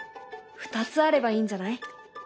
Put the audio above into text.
２つあればいいんじゃない？